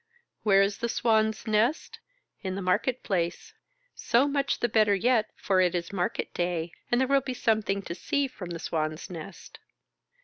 Where is the Swanks nest? In the market place. So much the better yet, for it is market day, and there will be something to see from the Swan's nest.